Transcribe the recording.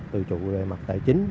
từ chủ về mặt tài chính